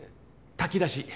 炊き出し。